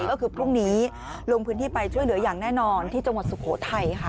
ก็คือพรุ่งนี้ลงพื้นที่ไปช่วยเหลืออย่างแน่นอนที่จังหวัดสุโขทัยค่ะ